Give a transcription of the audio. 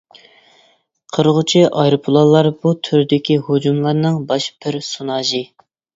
قىرغۇچى ئايروپىلانلار بۇ تۈردىكى ھۇجۇملارنىڭ باش پېرسوناژى.